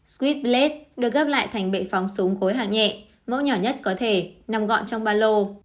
swift blade được gấp lại thành bệ phóng súng cối hạng nhẹ mẫu nhỏ nhất có thể nằm gọn trong ba lô